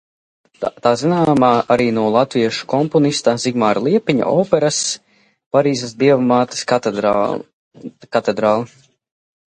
"Tā zināma arī no latviešu komponista Zigmara Liepiņa operas "Parīzes Dievmātes katedrāle"."